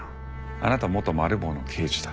あなたは元マル暴の刑事だ。